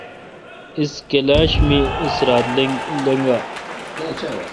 اس کلاش می اس رات لیگلا۔